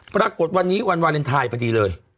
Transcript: ปรากฏวันนี้วันวาเลนไทยพอดีเลย